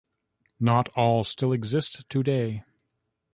Not all still exist today.